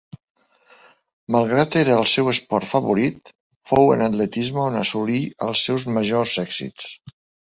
Malgrat era el seu esport favorit, fou en atletisme on assolí els seus majors èxits.